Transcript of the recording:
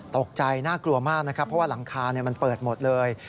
ตกใจน่ากลัวมากนะครับเพราะว่าหลังคามันเปิดหมดเลย